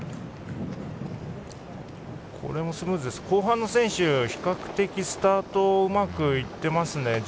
後半の選手、比較的スタートうまくいっていますね。